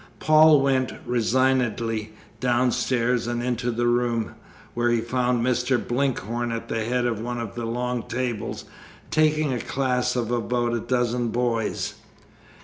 Paul went resignedly downstairs and into the room, where he found Mr. Blinkhorn at the head of one of the long tables, taking a class of about a dozen boys.